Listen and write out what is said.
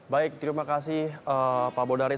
baik terima kasih pak bondaris